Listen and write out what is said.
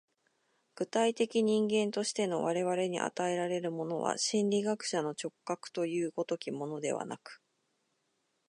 具体的人間としての我々に与えられるものは、心理学者の直覚という如きものではなく、